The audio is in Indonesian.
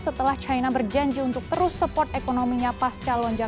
setelah china berjanji untuk terus support ekonominya pas calonnya